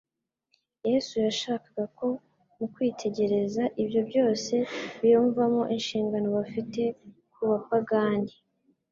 Yesu yashakaga ko mu kwitegereza ibyo byose biyumvamo inshingano bafite ku bapagani.